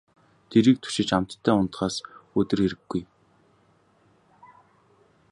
Дэрийг түшиж амттай унтахаас өдөр хэрэг үгүй.